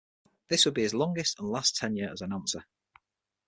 This would be his longest and last tenure as announcer.